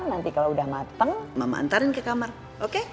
nanti kalau udah mateng mama antarin ke kamar oke